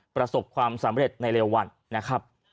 ประสบความสำเร็จในเร็ววันนะครับ